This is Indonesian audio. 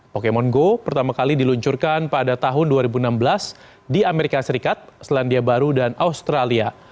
pokemon go pertama kali diluncurkan pada tahun dua ribu enam belas di amerika serikat selandia baru dan australia